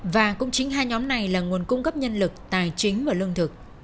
và cũng chính hai nhóm này là nguồn cung cấp nhân lực tài chính và lương thực